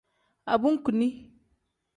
Abunkuni.